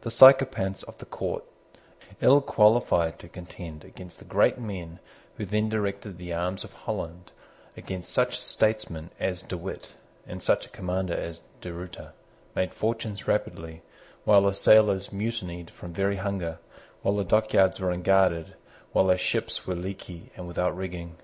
The sycophants of the court, ill qualified to contend against the great men who then directed the arms of Holland, against such a statesman as De Witt, and such a commander as De Ruyter, made fortunes rapidly, while the sailors mutinied from very hunger, while the dockyards were unguarded, while the ships were leaky and without rigging.